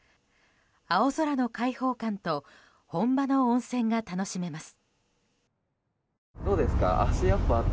青空の開放感と本場の温泉が楽しめます。